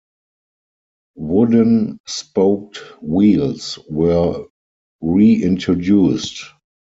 Wooden spoked wheels were re-introduced.